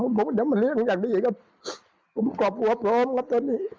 ผมก็จะมาเลี้ยงแบบนี้ครับผมกอบหัวพร้อมกับเท่านี้